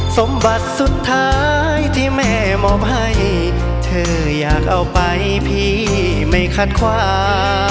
สมบัติสุดท้ายที่แม่มอบให้เธออยากเอาไปพี่ไม่คัดขวา